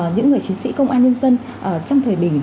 những người chiến sĩ công an nhân dân trong thời bình